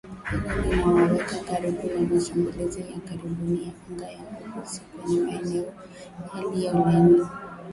Hilo linawaweka karibu na mashambulizi ya karibuni ya anga ya Urusi kwenye maeneo yaliyolenga magharibi mwa Ukraine.